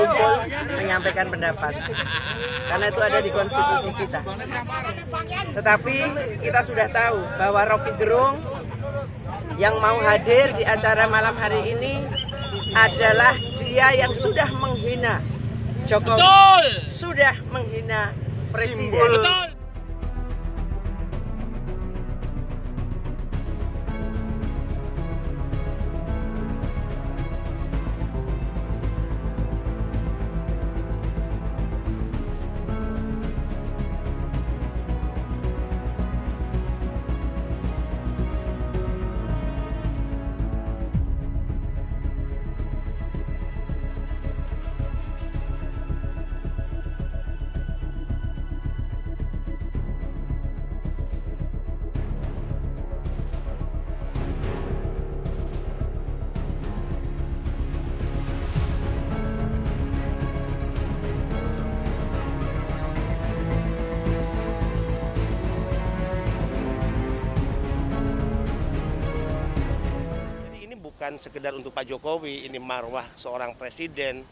bapak kasat intelkam pores metro bekasi